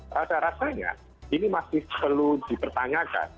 rata ratanya ini masih perlu dipertanyakan